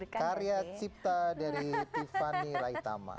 karya cipta dari tiffany raitama